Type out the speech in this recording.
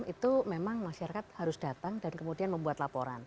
itu memang masyarakat harus datang dan kemudian membuat laporan